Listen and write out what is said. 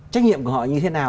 trách nhiệm của họ như thế nào